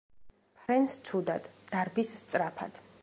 ფრენს ცუდად, დარბის სწრაფად.